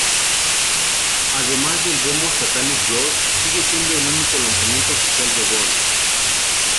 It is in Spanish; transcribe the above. Además del demo "Satanic Blood", sigue siendo el único lanzamiento oficial de Von.